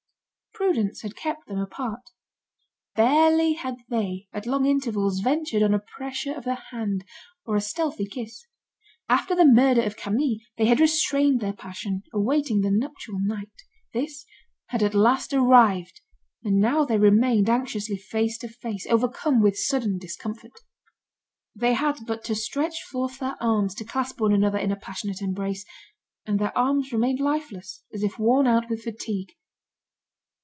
Prudence had kept them apart. Barely had they, at long intervals, ventured on a pressure of the hand, or a stealthy kiss. After the murder of Camille, they had restrained their passion, awaiting the nuptial night. This had at last arrived, and now they remained anxiously face to face, overcome with sudden discomfort. They had but to stretch forth their arms to clasp one another in a passionate embrace, and their arms remained lifeless, as if worn out with fatigue.